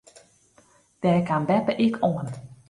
Dêr kaam beppe ek oan.